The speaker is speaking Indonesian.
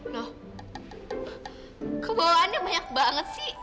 loh kebawaannya banyak banget sih